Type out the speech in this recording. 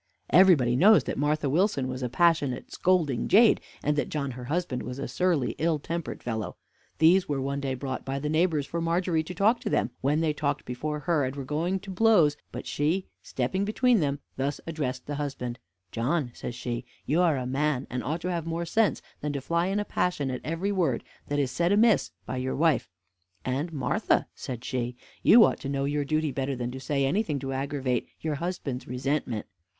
Everybody knows that Martha Wilson was a passionate, scolding jade, and that John her husband was a surly, ill tempered fellow. These were one day brought by the neighbors for Margery to talk to them, when they talked before her, and were going to blows; but she, stepping between them, thus addressed the husband: "John," says she, "you are a man, and ought to have more sense than to fly in a passion at every word that is said amiss by your wife: and Martha," says she, "you ought to know your duty better than to say anything to aggravate your husband's resentment.